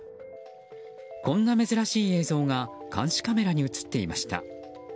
こんな珍しい映像が監視カメラに映っていました。